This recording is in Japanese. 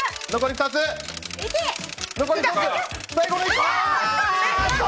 最後の１個。